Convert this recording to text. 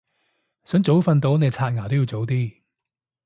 想早瞓到你刷牙都要早啲